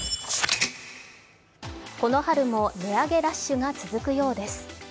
この春も値上げラッシュが続くようです。